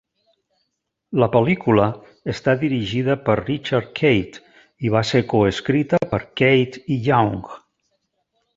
La pel·lícula està dirigida per Richard Keith i va ser coescrita per Keith i Young.